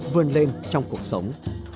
vươn lên trong cuộc sống